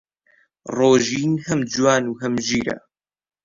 ڕۆژین هەم جوان و هەم ژیرە.